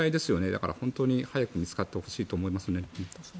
だから、早く見つかってほしいと思いますよね。